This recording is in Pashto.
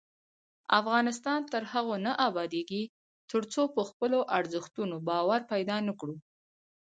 افغانستان تر هغو نه ابادیږي، ترڅو په خپلو ارزښتونو باور پیدا نکړو.